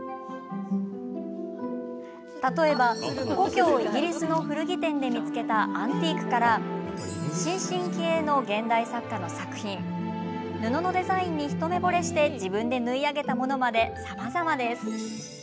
例えば、故郷イギリスの古着店で見つけたアンティークから新進気鋭の現代作家の作品布のデザインに一目ぼれして自分で縫い上げたものまでさまざまです。